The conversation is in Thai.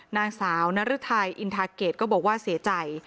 นางสาวนรึทัยอินทาเกตก็บอกว่าเสียใจ